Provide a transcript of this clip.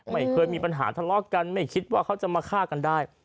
ไม่เคยมีปัญหาทะเลาะกันไม่คิดว่าเขาจะมาฆ่ากันได้